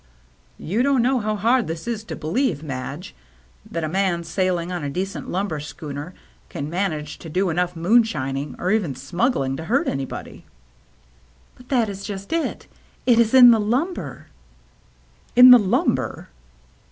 "You don't know how hard this is to be lieve, Madge. That a man sailing on a decent lumber schooner can manage to do enough moonshining — or even smuggling — to hurt anybody —"" But that is just it ! It is in the lumber." "In the lumber!"